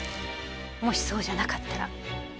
もしそうじゃなかったら。